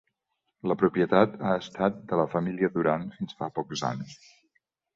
La propietat ha estat de la família Duran fins fa pocs anys.